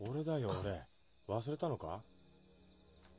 俺忘れたのか？